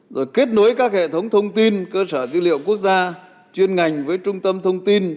rồi kết nối các hệ thống thông tin cơ sở dữ liệu quốc gia chuyên ngành với trung tâm thông tin